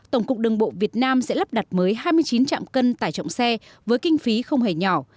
tổng cục đường bộ việt nam sẽ lắp đặt mới hai mươi chín chạm cân tải trọng xe với kinh phí không hề nhỏ